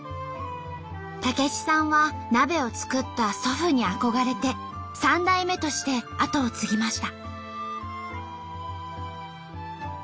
武子さんは鍋を作った祖父に憧れて３代目として後を継ぎました。